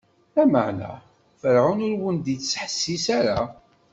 Lameɛna, Ferɛun ur wen-d-ittḥessis ara.